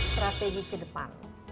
strategi ke depan